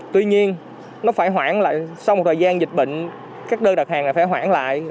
tuy nhiên nó phải khoảng lại sau một thời gian dịch bệnh các đơn đặt hàng là phải hoãn lại